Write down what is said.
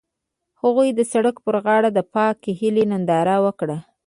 هغوی د سړک پر غاړه د پاک هیلې ننداره وکړه.